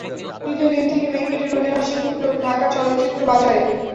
তৃতীয় দিন থেকে মেঘ কেটে রোদের হাসি ফুটল ঢাকার চলচ্চিত্র বাজারে।